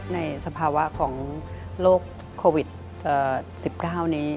สภาวะของโรคโควิด๑๙นี้